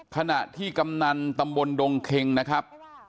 ขณะที่กำนันตำบลดงเค็งนะครับ